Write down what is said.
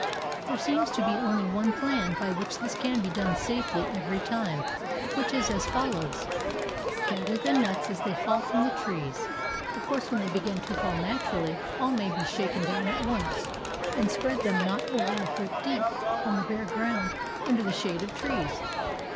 There seems to be only one plan by which this can be done safely every time, which is as follows: Gather the nuts as they fall from the trees—of course when they begin to fall naturally all may be shaken down at once—and spread them not over a foot deep, on the bare ground under the shade of trees.